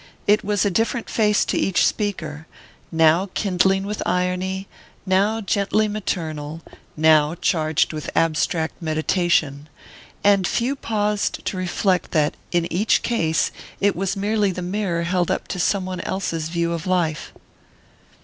It was a different face to each speaker: now kindling with irony, now gently maternal, now charged with abstract meditation and few paused to reflect that, in each case, it was merely the mirror held up to some one else's view of life.